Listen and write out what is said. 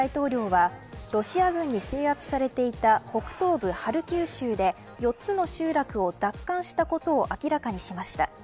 一方、ゼレンスキー大統領はロシア軍に制圧されていた北東部ハルキウ州で４つの集落を奪還したことを明らかにしました。